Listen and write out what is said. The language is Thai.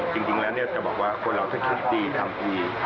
จริงแล้วจะบอกว่าคนเราถ้าคิดดีทำดี